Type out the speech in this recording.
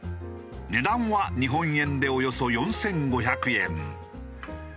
値段は日本円でおよそ４５００円。